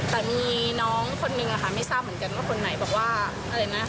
แต่มีน้องคนนึงไม่ทราบเหมือนกันว่าคนไหนบอกว่า